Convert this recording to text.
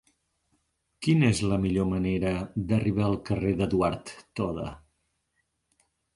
Quina és la millor manera d'arribar al carrer d'Eduard Toda?